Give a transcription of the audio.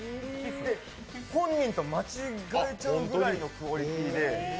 で、本人と間違えちゃうぐらいのクオリティーで。